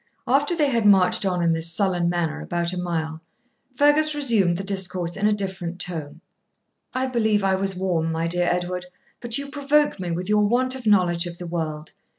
After they had marched on in this sullen manner about a mile, Fergus resumed the discourse in a different tone. 'I believe I was warm, my dear Edward, but you provoke me with your want of knowledge of the world.